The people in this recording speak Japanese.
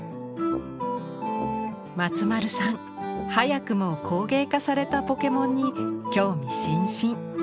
松丸さん早くも工芸化されたポケモンに興味津々。